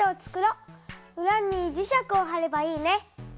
うらにじ石をはればいいね。